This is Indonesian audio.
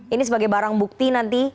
ini sebagai barang bukti nanti